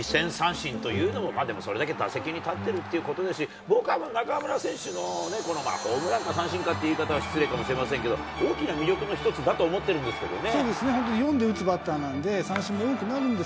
三振というのも、それだけ打席に立ってるということですし、僕はもう、中村選手のこのホームランか三振かといういい方は失礼かもしれませんけれども、大きな魅力の一つだと思ってるんですけれどもね。